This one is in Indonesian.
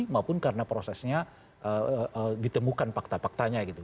maupun karena prosesnya ditemukan fakta faktanya gitu